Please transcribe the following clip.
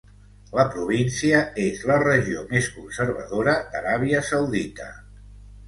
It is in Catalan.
La província és la regió més conservadora d"Aràbia Saudita.